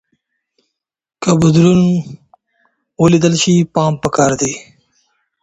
که بدلون ولیدل شي پام پکار دی.